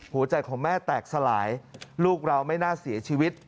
หัวใจของแม่แตกสลายลูกเราไม่น่าเสียชีวิต